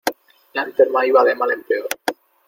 La enferma iba de mal en peor.